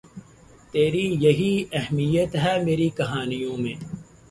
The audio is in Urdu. تری یہی اہمیت ہے میری کہانیوں میں